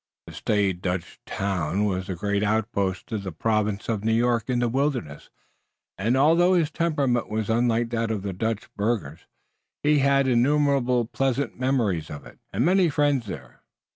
The staid Dutch town was the great outpost of the Province of New York in the wilderness, and although his temperament was unlike that of the Dutch burghers he had innumerable pleasant memories of it, and many friends there.